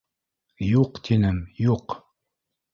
— Юҡ, тинем, юҡ!